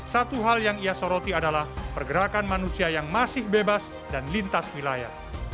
satu hal yang ia soroti adalah pergerakan manusia yang masih bebas dan lintas wilayah